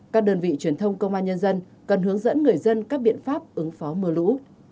các đơn vị truyền thông công an nhân dân cần hướng dẫn người dân các biện pháp ứng phó mưa lũ